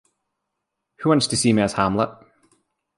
Who wants to see me as Hamlet?